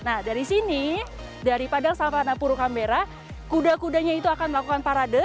nah dari sini dari padang savanapuru kambera kuda kudanya itu akan melakukan parade